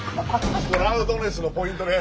ラウドネスのポイントです。